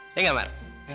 iya gak mar